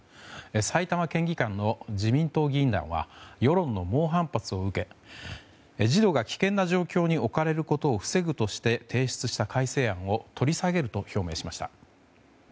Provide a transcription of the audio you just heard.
埼玉県議会の自民党議員らは世論の猛反発を受け児童が危険な状況に置かれることを防ぐとして提出した改正案を取り下げると表明しました。